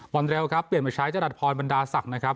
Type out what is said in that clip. บอนเรลครับเปลี่ยนมาใช้เจ้าดัดพรบรรดาศักดิ์นะครับ